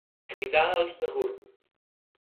Cridar els de Gurb.